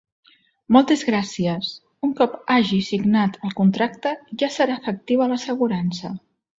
Moltes gràcies, un cop hagi signat el contracte ja serà efectiva l'assegurança.